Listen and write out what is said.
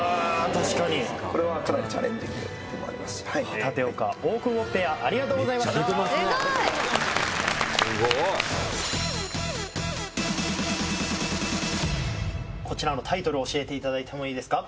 確かにこれはかなりチャレンジングでもありますし舘岡・大久保ペアありがとうございましたこちらのタイトルを教えていただいてもいいですか？